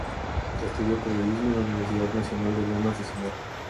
Estudió periodismo en la Universidad Nacional de Lomas de Zamora.